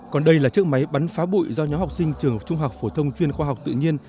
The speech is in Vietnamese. còn đây là chiếc máy bắn phá bụi do nhóm học sinh trường trung học phổ thông chuyên khoa học tự nhiên